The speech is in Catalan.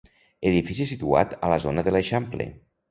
Edifici situat a la zona de l'eixample.